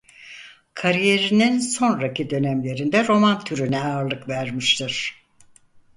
Kariyerinin sonraki dönemlerinde roman türüne ağırlık vermiştir.